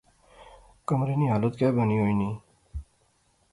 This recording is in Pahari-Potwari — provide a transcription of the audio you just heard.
کمرے نی حالت کہہ بنی ہوئی نی